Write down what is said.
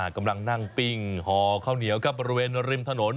กำลังนั่งปิ้งห่อข้าวเหนียวครับบริเวณริมถนน